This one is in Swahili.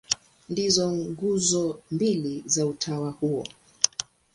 Ndizo nguzo mbili za utawa huo.